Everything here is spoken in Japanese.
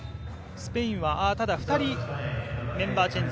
スペインは２人メンバーチェンジ。